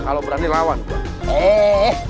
kalau berani lawan gua